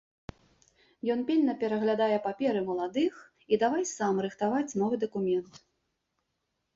Ён пільна пераглядае паперы маладых і давай сам рыхтаваць новы дакумент.